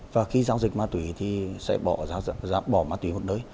và khi giao dịch ma túy thì sẽ bỏ ma túy một nơi